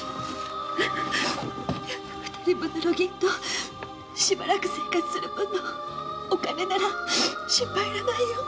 二人分の路銀としばらく生活する分のお金なら心配いらないよ？